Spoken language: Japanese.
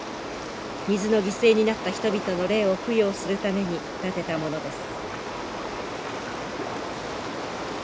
水の犠牲になった人々の霊を供養するために建てたものです。